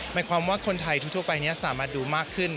หมายความว่าคนไทยทั่วไปนี้สามารถดูมากขึ้น